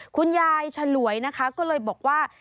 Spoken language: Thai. คุณยายฉลวยนะคะก็เลยบอกว่า